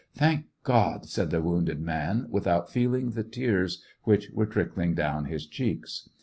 "Thank God!" said the wounded man, without feeling the tears which were trickling down his cheeks.